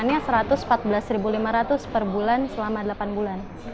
paket lengkap bulanan itu kita iurannya satu ratus empat belas lima ratus per bulan selama delapan bulan